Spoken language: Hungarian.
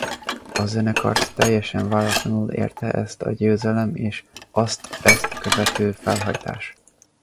A zenekart teljesen váratlanul érte a győzelem és azt ezt követő felhajtás.